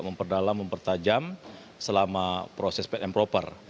memperdalam mempertajam selama proses kompeten proper